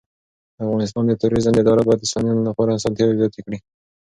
د افغانستان د توریزم اداره باید د سېلانیانو لپاره اسانتیاوې زیاتې کړي.